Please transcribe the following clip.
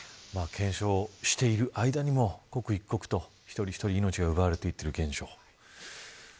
検証している間にも刻一刻と、一人一人命が奪われていっている現状。